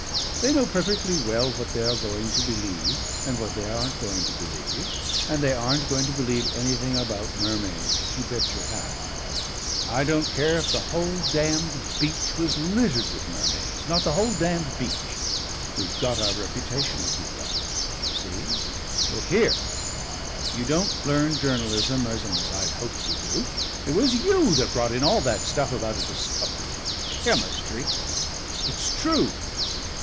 They know perfectly well what they are going to believe and what they aren't going to believe, and they aren't going to believe anything about mermaids you bet your hat. I don't care if the whole damned beach was littered with mermaids not the whole damned beach! We've got our reputation to keep up. See?... Look here! you don't learn journalism as I hoped you'd do. It was you what brought in all that stuff about a discovery in chemistry " "It's true."